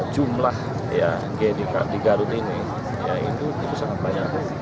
jumlah gdrt di garut ini itu sangat banyak